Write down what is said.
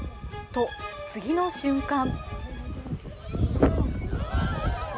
と次の瞬間。